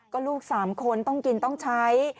ก็ลูก๓คนต้องกินต้องใช้